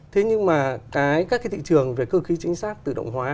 thế nhưng mà cái các cái thị trường về cơ khí chính xác tự động hóa